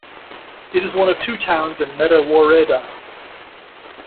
It is one of two towns in Meta woreda.